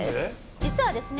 実はですね